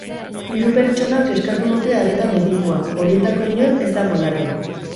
Hiru pertsonak eskatu dute arreta medikua, horietako inor ez dago larri.